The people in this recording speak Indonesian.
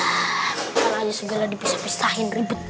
kalanya segala dipisah pisahin ribet bang